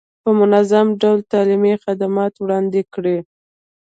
په منظم ډول تعلیمي خدمات وړاندې کړي.